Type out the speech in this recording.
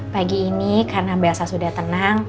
pagi ini karena mbak elsa sudah tenang